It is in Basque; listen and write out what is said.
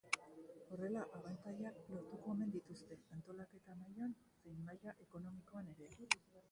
Horrela abantailak lortuko omen dituzte, antolaketa mailan zein maila ekonomikoan ere.